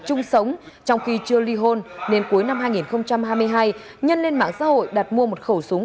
chung sống trong khi chưa ly hôn nên cuối năm hai nghìn hai mươi hai nhân lên mạng xã hội đặt mua một khẩu súng